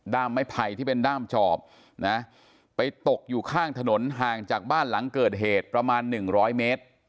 ไม้ไผ่ที่เป็นด้ามจอบนะไปตกอยู่ข้างถนนห่างจากบ้านหลังเกิดเหตุประมาณ๑๐๐เมตร